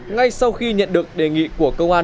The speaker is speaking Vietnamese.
ngay sau khi nhận được đề nghị của công an